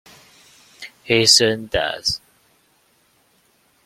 He soon dies.